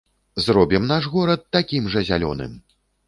Зробім наш горад такім жа зялёным!